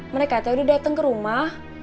mereka teh udah dateng ke rumah